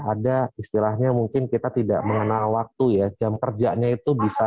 ada istilahnya mungkin kita tidak mengenal waktu ya jam kerjanya itu bisa